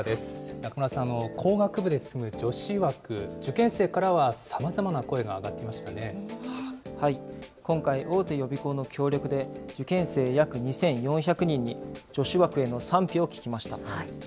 中村さん、工学部で進む女子枠、受験生からは、さまざまな声が上がっていま今回、大手予備校の協力で、受験生約２４００人に、女子枠への賛否を聞きました。